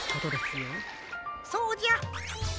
そうじゃ。